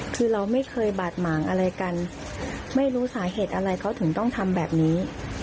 คือเราไม่เคยบาดหมางอะไรกันไม่รู้สาเหตุอะไรเขาถึงต้องทำแบบนี้